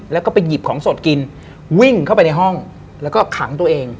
แล้วก็ไปหยิบของสดกินวิ่งเข้าไปในห้องแล้วก็ขังตัวเอง